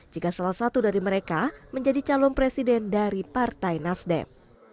jika salah satu dari mereka menjadi calon presiden dari partai nasdem